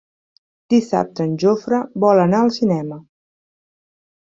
Dissabte en Jofre vol anar al cinema.